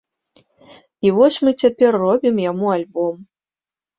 І вось мы цяпер робім яму альбом.